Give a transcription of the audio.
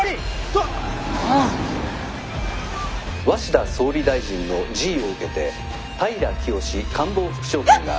「鷲田総理大臣の辞意を受けて平清志官房副長官が」。